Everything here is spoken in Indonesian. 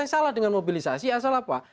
salah dengan mobilisasi asal apa